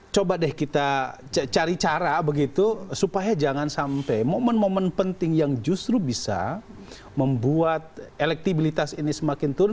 coba deh kita cari cara begitu supaya jangan sampai momen momen penting yang justru bisa membuat elektibilitas ini semakin turun